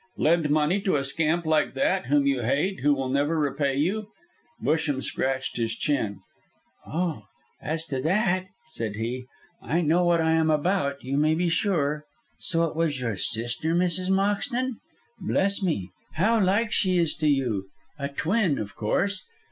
"Lend money to a scamp like that, whom you hate, who will never repay you?" Busham scratched his chin. "Oh, as to that," said he, "I know what I am about, you may be sure. So it was your sister, Mrs. Moxton? Bless me, how like she is to you; a twin, of course?